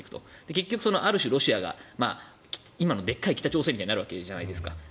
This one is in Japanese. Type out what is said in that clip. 結局ある種、ロシアが今のでかい北朝鮮みたいになるわけじゃないですか。